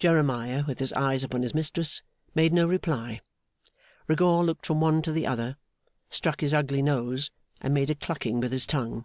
Jeremiah, with his eyes upon his mistress, made no reply. Rigaud looked from one to the other, struck his ugly nose, and made a clucking with his tongue.